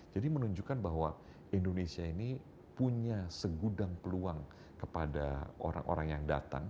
jadi menunjukkan bahwa indonesia ini punya segudang peluang kepada orang orang yang datang